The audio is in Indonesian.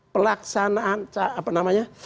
pelaksanaan apa namanya